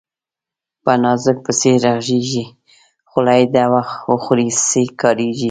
په نازک پسي ږغېږي، خولې ده وخوري سي ګايږي